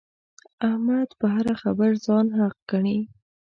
احمد په هره خبره ځان حق ګڼي.